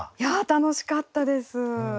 楽しかったです！